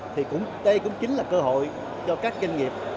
thì đây cũng chính là cơ hội cho các doanh nghiệp